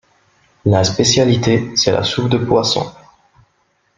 La spécialité, c’est la soupe de poisson.